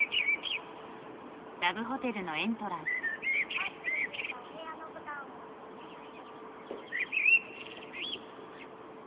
「ランプのついたお部屋のボタンを押してください」